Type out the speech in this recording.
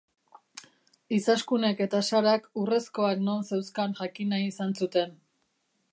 Izaskunek eta Sarak urrezkoak non zeuzkan jakin nahi izan zuten.